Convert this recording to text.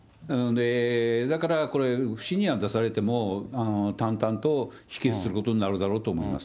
だから不信任案出されても、淡々と否決することになるだろうと思います。